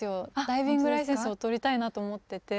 ダイビングライセンスを取りたいなと思ってて。